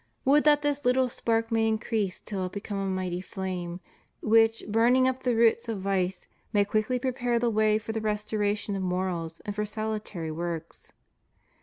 Would that this little spark may increase till it becomes a mighty flame, which, burning up the roots of vice, may quickly prepare the way for the restoration of morals and for salutary works.